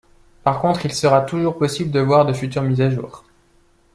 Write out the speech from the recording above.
Par contre, il sera toujours possible de voir de futures mises à jour.